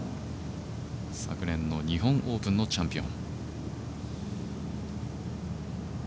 昨年の日本オープンのチャンピオン。